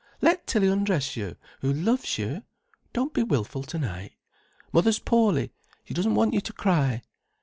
Let Tilly undress you, who loves you, don't be wilful to night. Mother's poorly, she doesn't want you to cry."